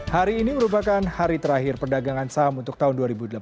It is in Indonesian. hari ini merupakan hari terakhir perdagangan saham untuk tahun dua ribu delapan belas